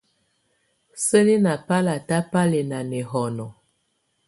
Sǝ́ni ná balata bá lɛ ná nɛhɔnɔ.